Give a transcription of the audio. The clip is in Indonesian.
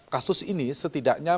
kasus ini setidaknya